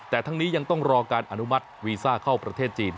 แต่ทั้งนี้ยังต้องรอการอนุมัติวีซ่าเข้าประเทศจีน